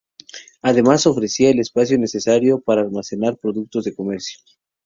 Además, ofrecía el espacio necesario para almacenar los productos del comercio.